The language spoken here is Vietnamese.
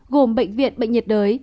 gồm bệnh viện bệnh nhiệt đới